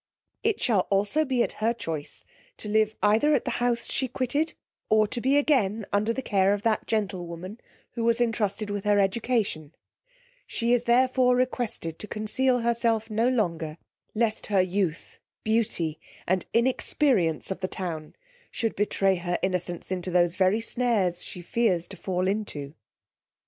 'It shall also be at her choice to live either at the house she quitted, or to be again under the care of that gentlewoman who was entrusted with her education: she is therefore requested to conceal herself no longer, lest her youth, beauty, and inexperience of the town should betray her innocence into those very snares she fears to fall into.'